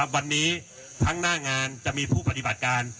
วันนี้ทั้งหน้างานจะมีผู้ปฏิบัติการ